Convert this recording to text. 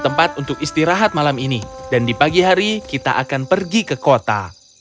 tempat untuk istirahat malam ini dan di pagi hari kita akan pergi ke kota